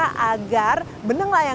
agar benang layangan ini bisa diperhatikan